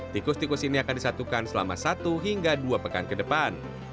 tikus tikus ini akan disatukan selama satu hingga dua pekan ke depan